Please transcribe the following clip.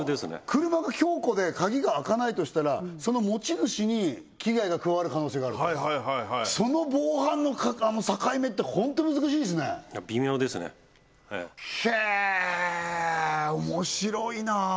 車が強固で鍵が開かないとしたらその持ち主に危害が加わる可能性があるとその防犯の境目ってホント難しいですね微妙ですねええへえ面白いなあ